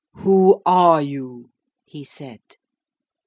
'Who are you?' he said.